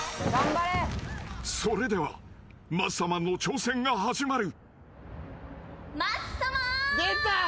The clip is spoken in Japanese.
［それではマッサマンの挑戦が始まる］出た。